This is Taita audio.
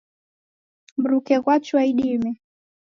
Mruke ghwachua idime .